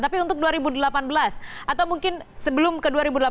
tapi untuk dua ribu delapan belas atau mungkin sebelum ke dua ribu delapan belas